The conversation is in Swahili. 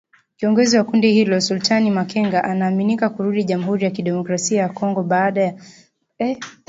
Kiongozi wa kundi hilo, Sultani Makenga anaaminika kurudi Jamhuri ya Kidemokrasia ya Kongo. badhi ya vyombo vya habari vimeripoti anaongoza mashambulizi mapya